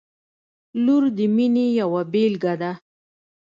• لور د مینې یوه بېلګه ده.